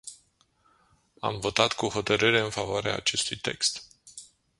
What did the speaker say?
Am votat cu hotărâre în favoarea acestui text.